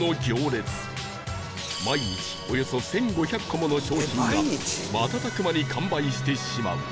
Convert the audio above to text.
毎日およそ１５００個もの商品が瞬く間に完売してしまう